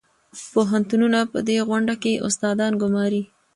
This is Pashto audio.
پوهنتونونه په دې غونډه کې استادان ګماري.